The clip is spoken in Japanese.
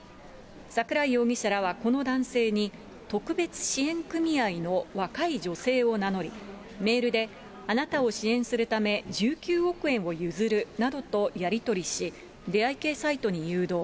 桜井容疑者らはこの男性に、特別支援組合の若い女性を名乗り、メールで、あなたを支援するため、１９億円を譲るなどとやり取りし、出会い系サイトに誘導。